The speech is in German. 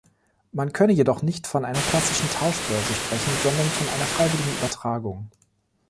Man könne jedoch nicht von einer klassischen Tauschbörse sprechen, sondern von einer freiwilligen Übertragung.